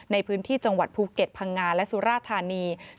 ในพื้นที่จังหวัดภูเก็ตพังงาและสุราธานี